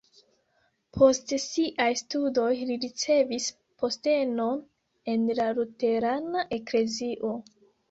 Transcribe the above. Post siaj studoj li ricevis postenon en la luterana eklezio.